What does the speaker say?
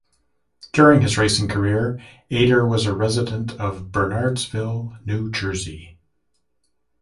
During his racing career, Ader was a resident of Bernardsville, New Jersey.